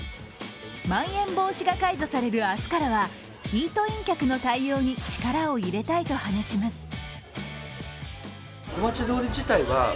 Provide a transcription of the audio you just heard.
まん延防止が解除される明日からはイートイン客の対応に力を入れたいと話します。